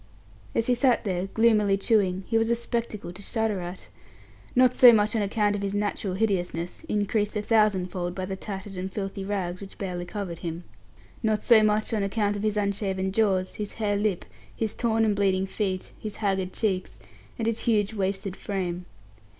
As he sat there gloomily chewing, he was a spectacle to shudder at. Not so much on account of his natural hideousness, increased a thousand fold by the tattered and filthy rags which barely covered him. Not so much on account of his unshaven jaws, his hare lip, his torn and bleeding feet, his haggard cheeks, and his huge, wasted frame.